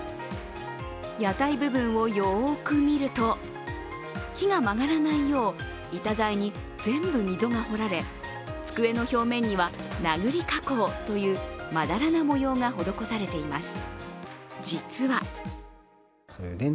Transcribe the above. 屋台部分をよく見ると木が曲がらないよう板材に全部溝が彫られ机の表面には名栗加工という、まだらな模様が施されています。